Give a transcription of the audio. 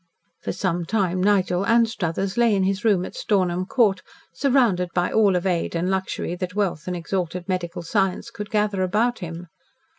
..... For some time Nigel Anstruthers lay in his room at Stornham Court, surrounded by all of aid and luxury that wealth and exalted medical science could gather about him.